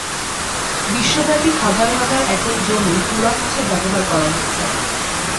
বিশ্বব্যাপী হাজার হাজার একর জমি তুলা চাষে ব্যবহার করা হচ্ছে।